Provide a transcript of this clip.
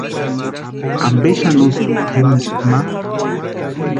¿Ampe xani úsïni tʼerunchiti ma?